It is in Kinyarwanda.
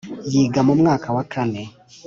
yiga mu wa kane